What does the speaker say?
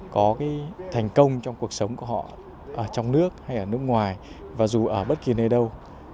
có cái thành công trong cuộc sống của họ ở trong nước hay ở nước ngoài và dù ở bất kỳ nơi đâu